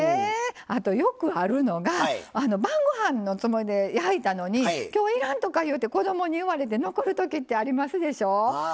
あと、よくあるのが晩ごはんのつもりで焼いたのにきょう、いらんとかって子どもに言われて残るときってありますでしょ？